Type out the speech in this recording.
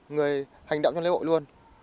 người hành động trong lễ hội luôn